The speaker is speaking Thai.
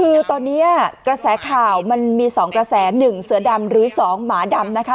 คือตอนนี้กระแสข่าวมันมี๒กระแส๑เสือดำหรือ๒หมาดำนะคะ